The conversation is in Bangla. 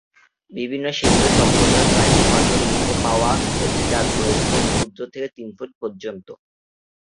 বিভিন্ন সিন্ধু সভ্যতার সাইটে পাথরের লিঙ্গ পাওয়া গেছে যার দৈর্ঘ্য ক্ষুদ্র থেকে তিন ফুট পর্যন্ত।